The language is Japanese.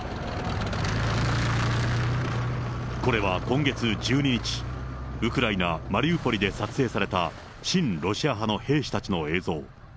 これは今月１２日、ウクライナ・マリウポリで撮影された親ロシア派の兵士たちの映像。